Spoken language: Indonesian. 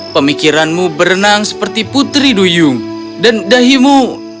pemikiranmu berenang seperti putri duyung dan dahimu seperti gunung yang diselimuti salju